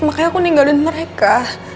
makanya aku ninggalin mereka